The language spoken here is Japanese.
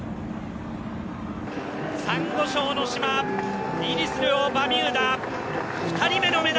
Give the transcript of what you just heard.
サンゴ礁の島イギリス領バミューダ。